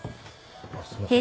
あっすいません。